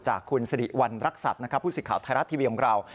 จากคุณสิริวัณรักษัตริย์นะครับผู้สิทธิ์ไทยรัฐทีวีของเรา